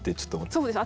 そうですね